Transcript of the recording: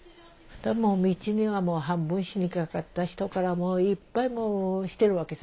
道には半分死にかかった人からいっぱいもうしてるわけさ。